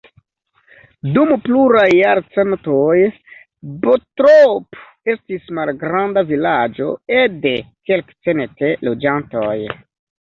Dum pluraj jarcentoj Bottrop estis malgranda vilaĝo ede kelkcent loĝantoj.